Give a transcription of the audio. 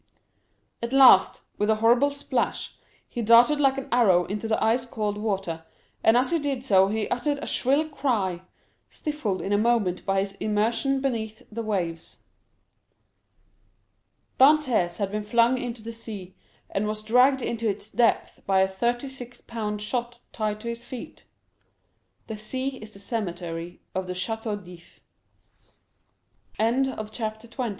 At last, with a horrible splash, he darted like an arrow into the ice cold water, and as he did so he uttered a shrill cry, stifled in a moment by his immersion beneath the waves. Dantès had been flung into the sea, and was dragged into its depths by a thirty six pound shot tied to his feet. The sea is the cemetery of the Château d'If. 0267m Chapter 21.